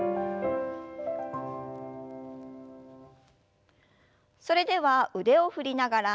それでは腕を振りながら背中を丸く。